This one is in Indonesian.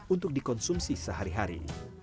untuk dikonsumsi sehari hari